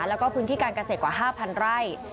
แล้วก็พื้นที่การเกษตรกว่า๕๐๐ไร่